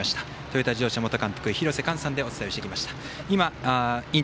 トヨタ自動車元監督廣瀬寛さんでお伝えしてきました。